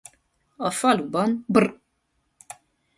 A faluban br.